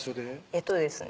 えっとですね